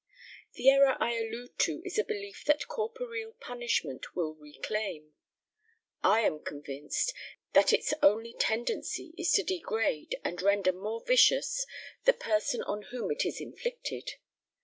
The error I allude to is a belief that corporeal punishment will reclaim. I am convinced that its only tendency is to degrade and render more vicious the person on whom it is inflicted.